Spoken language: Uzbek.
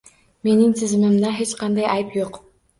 Mening tizimimda hech qanday ayb yo'q